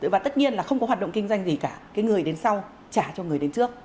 và tất nhiên là không có hoạt động kinh doanh gì cả cái người đến sau trả cho người đến trước